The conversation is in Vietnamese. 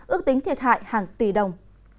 ước tính thiệt hại hàng tỷ đồng